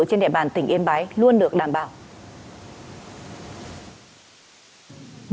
trên địa bàn tỉnh yên bái luôn được đảm bảo